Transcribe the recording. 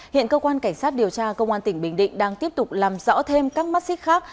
hiện cơ quan cảnh sát điều tra công an tỉnh bình định đang tiếp tục làm rõ thêm các mắt xích khác